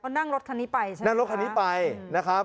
เขานั่งรถคันนี้ไปนะครับ